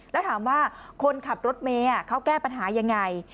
แล้วถามว่าคนขับรถเมย์เขาแก้ปัญหายังไง